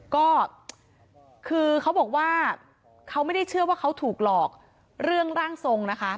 ก็คือเขาบอกว่าเขาไม่ได้เชื่อว่าเขาถูกหลอกเรื่องร่างทรงนะคะ